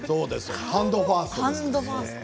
ハンドファースト。